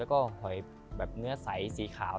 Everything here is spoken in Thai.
แล้วก็หอยแบบเนื้อใสสีขาว